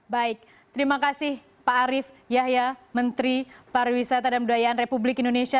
baik terima kasih pak arief yahya menteri pariwisata dan budayaan republik indonesia